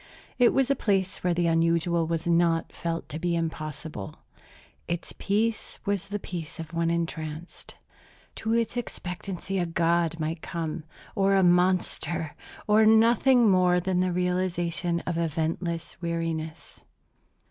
It was a place where the unusual was not felt to be impossible. Its peace was the peace of one entranced. To its expectancy a god might come, or a monster, or nothing more than the realization of eventless weariness.